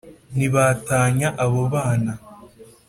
Ntibatanya abo bana